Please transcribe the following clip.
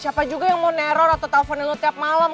siapa juga yang mau neror atau telponin lo tiap malem